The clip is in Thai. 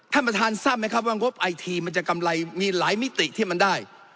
ท่านประธานทราบไหมครับว่างบไอทีมันจะกำไรมีหลายมิติที่มันได้